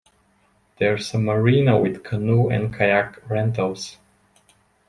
There is a marina with canoe and kayak rentals.